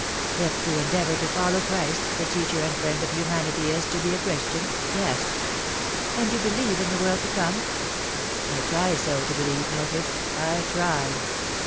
" If to endeavour to follow Christ, the Teacher and Friend of humanity, is to be a Christian yes." " And you believe in the world to come ?"" I try so to believe, Mildred. I try.